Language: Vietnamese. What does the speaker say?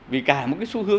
vì cả một cái xu hướng